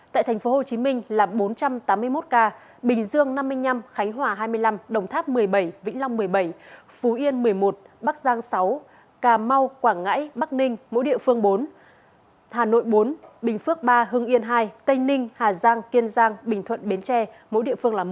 tại tp hcm là bốn trăm tám mươi một ca bình dương năm mươi năm khánh hòa hai mươi năm đồng tháp một mươi bảy vĩnh long một mươi bảy phú yên một mươi một bắc giang sáu cà mau quảng ngãi bắc ninh mỗi địa phương bốn hà nội bốn bình phước ba hưng yên hai tây ninh hà giang kiên giang bình thuận bến tre mỗi địa phương là một